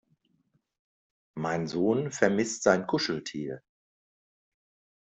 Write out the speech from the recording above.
Mein Sohn vermisst sein Kuscheltier.